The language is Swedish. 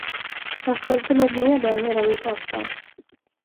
Han smälter nog ner det medan vi pratar.